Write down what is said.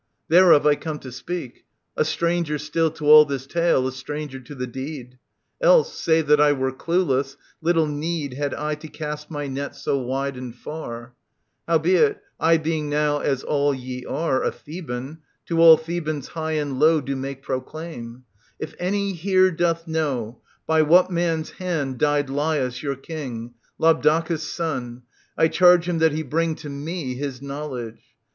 Thereof I come to speak, a stranger still To all this tale, a stranger to the deed : (Else, save that I were clueless, little nee<f Had I to cast my net so wide and far :) Howbeit, I, being now as all ye are, A Theban, to all Thebans high and low Do make proclaim : if any here doth know By what man's hand died Laius, your King, Labdacus' son, I charge him that he bring To me his knowledge.